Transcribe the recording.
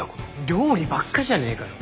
料理ばっかじゃねえかよ。